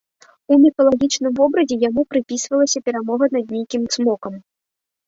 У міфалагічным вобразе яму прыпісвалася перамога над нейкім цмокам.